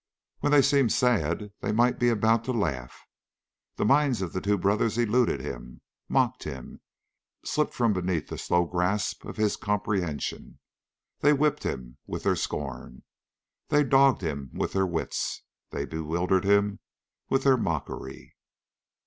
When they seemed sad they might be about to laugh. The minds of the two brothers eluded him, mocked him, slipped from beneath the slow grasp of his comprehension. They whipped him with their scorn. They dodged him with their wits. They bewildered him with their mockery.